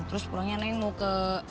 terus pulangnya naik mau ke